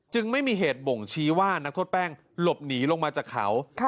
ไม่มีเหตุบ่งชี้ว่านักโทษแป้งหลบหนีลงมาจากเขา